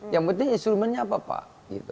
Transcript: yang penting instrumennya apa pak